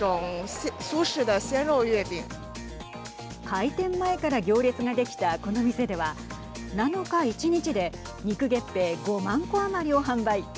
開店前から行列ができた、この店では７日、１日で肉月餅５万個余りを販売。